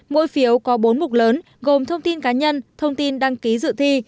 mỗi phiếu có bốn mục lớn gồm thông tin cá nhân thông tin đăng ký dự thi